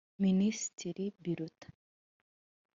Minisitiri Biruta